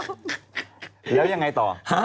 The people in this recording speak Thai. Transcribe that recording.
แล้วยังไงต่อ